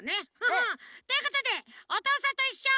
ハハッ！ということで「おとうさんといっしょ」。